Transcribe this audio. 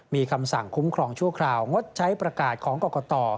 มีคำสั่งคุ้มครองชั่วคราวงดใช้ประกาศของกรกต